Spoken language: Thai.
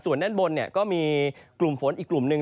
ส่วนด้านบนก็มีกลุ่มฝนอีกกลุ่มหนึ่ง